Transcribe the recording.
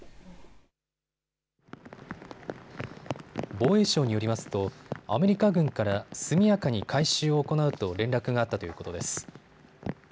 防衛省によりますとアメリカ軍から速やかに回収を行うと連絡があったということです。